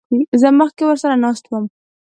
زه مخکې ورسره ناست وم.